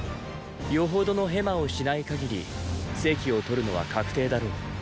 よほどのヘマをしない限り席を獲るのは確定だろう。